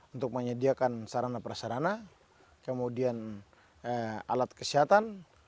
untuk menyediakan sarana perasarana kemudian alat kesehatan